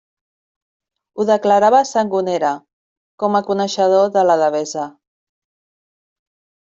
Ho declarava Sangonera, com a coneixedor de la Devesa.